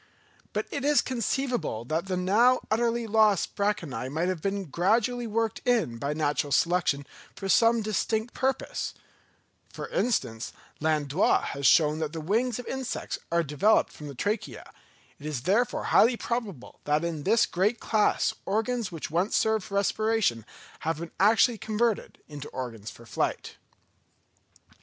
But it is conceivable that the now utterly lost branchiæ might have been gradually worked in by natural selection for some distinct purpose: for instance, Landois has shown that the wings of insects are developed from the trachea; it is therefore highly probable that in this great class organs which once served for respiration have been actually converted into organs for flight.